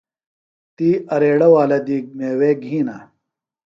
تی اریڑہ والہ دی میوے گِھینہ۔